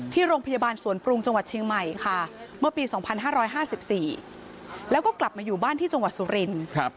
ที่โรงพยาบาลสวนปรุงจังหวัดเชียงใหม่ค่ะเมื่อปี๒๕๕๔แล้วก็กลับมาอยู่บ้านที่จังหวัดสุรินทร์